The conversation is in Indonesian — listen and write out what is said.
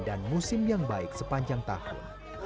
dan musim yang baik sepanjang tahun